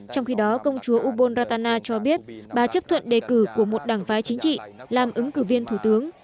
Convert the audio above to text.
trong khi đó công chúa ubon ratana cho biết bà chấp thuận đề cử của một đảng phái chính trị làm ứng cử viên thủ tướng